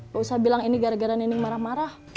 gak usah bilang ini gara gara nining marah marah